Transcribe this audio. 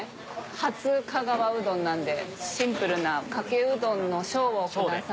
初香川うどんなんでシンプルなかけうどんの小を下さい。